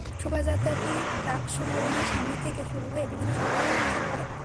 শোভাযাত্রাটি রাকসু ভবনের সামনে থেকে শুরু হয়ে বিভিন্ন সড়ক প্রদক্ষিণ করে।